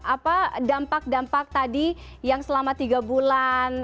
apa dampak dampak tadi yang selama tiga bulan